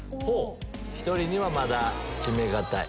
１人にはまだ決め難い。